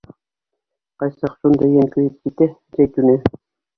Ҡай саҡ шундай йән көйөп китә, Зәйтүнә.